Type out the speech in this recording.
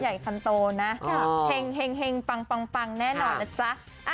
ในคอนโตรนะแห่งปังแน่นอนละจ๊ะ